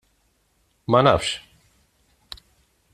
Ma nafx!